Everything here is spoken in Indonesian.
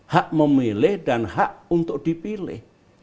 hak memilih dan hak untuk dipilih